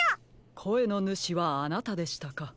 こえのぬしはあなたでしたか。